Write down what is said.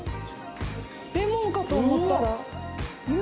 レモンかと思ったらゆず。